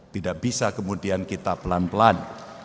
tidak bisa kemudian kita pelan pelan